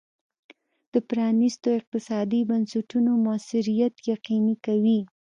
د پرانیستو اقتصادي بنسټونو موثریت یقیني کوي.